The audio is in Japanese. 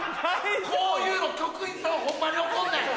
こういうの局員さんホンマに怒んねん。